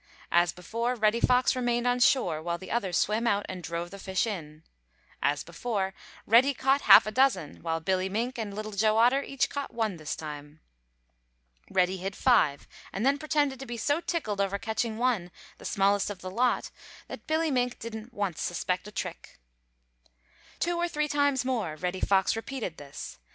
As before, Reddy Fox remained on shore while the others swam out and drove the fish in. As before Reddy caught half a dozen, while Billy Mink and Little Joe Otter each caught one this time. Reddy hid five and then pretended to be so tickled over catching one, the smallest of the lot, that Billy Mink didn't once suspect a trick. Two or three times more Reddy Fox repeated this.